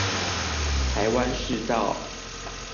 臺灣市道